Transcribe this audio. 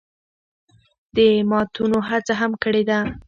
د ماتونو هڅه هم کړې ده